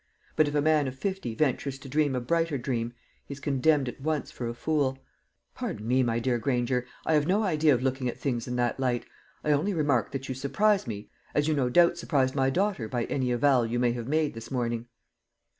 But if a man of fifty ventures to dream a brighter dream, he is condemned at once for a fool." "Pardon me, my dear Granger; I have no idea of looking at things in that light. I only remark that you surprise me, as you no doubt surprised my daughter by any avowal you may have made this morning."